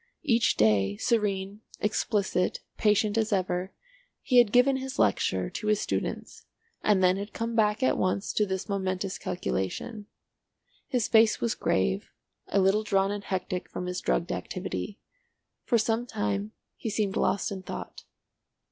Each day, serene, explicit, patient as ever, he had given his lecture to his students, and then had come back at once to this momentous calculation. His face was grave, a little drawn and hectic from his drugged activity. For some time he seemed lost in thought.